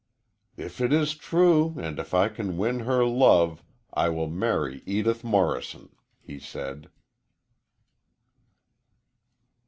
"If it is true, and if I can win her love, I will marry Edith Morrison," he said.